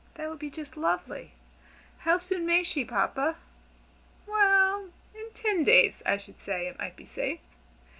That would be just lovely! How soon may she, Papa?" "Well in ten days, I should say, it might be safe."